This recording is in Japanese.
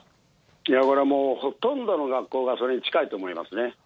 いや、これはもうほとんどの学校がそれに近いと思いますね。